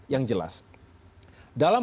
yang jelas dalam